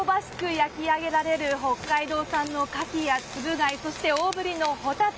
焼き上げられる北海道産のカキやツブ貝そして、大振りのホタテ。